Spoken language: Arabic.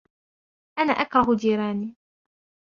أنا أكره جيراني.